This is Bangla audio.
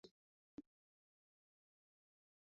তুমি, ধরো ওদের।